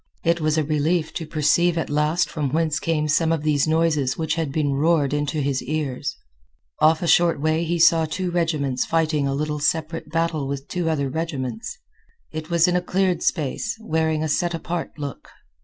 It was a relief to perceive at last from whence came some of these noises which had been roared into his ears. Off a short way he saw two regiments fighting a little separate battle with two other regiments. It was in a cleared space, wearing a set apart look.